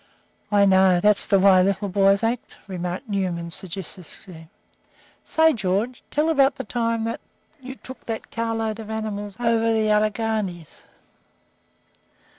"I know, that's the way little boys act," remarked Newman, sagaciously. "Say, George, tell about the time you took that car load of animals over the Alleghanies."